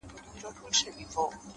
د ژوند دوهم جنم دې حد ته رسولی يمه؛